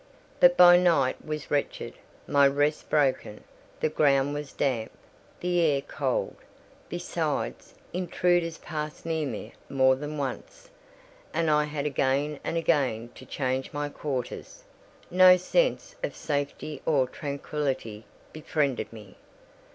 But my night was wretched, my rest broken: the ground was damp, the air cold: besides, intruders passed near me more than once, and I had again and again to change my quarters: no sense of safety or tranquillity befriended me.